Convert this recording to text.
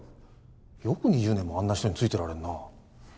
よく２０年もあんな人に付いてられるな。